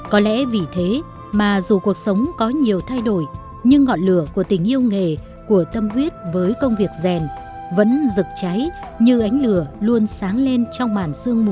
có lẽ vì thế mà dù cuộc sống có nhiều thay đổi nhưng ngọn lửa của tình yêu nghề của tâm huyết với công việc rèn vẫn rực cháy như ánh lửa luôn sáng lên trong màn sương mùa